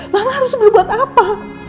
mama harus berbuat apa